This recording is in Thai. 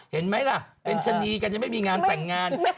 เห็นไหมล่ะเป็นชะนีกันยังไม่มีงานแต่งงาน